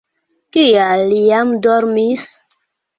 Kial li jam dormis?